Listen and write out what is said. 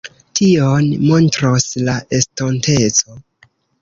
Tion montros la estonteco.